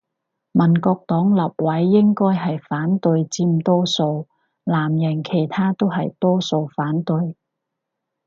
國民黨立委應該係反對佔多數，藍營其他都係多數反對